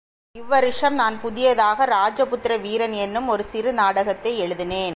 இவ்வருஷம் நான் புதியதாக, ரஜபுத்ர வீரன் என்னும் ஒரு சிறு நாடகத்தை எழுதினேன்.